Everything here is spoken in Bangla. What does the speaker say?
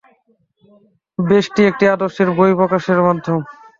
ব্যষ্টি একটি আদর্শের বহিঃপ্রকাশের মাধ্যম।